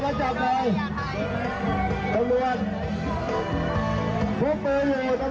บัจชื่นใหญ่มาผิดถนน